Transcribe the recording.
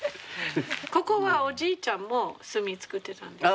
ここはおじいちゃんも炭作ってたんですか？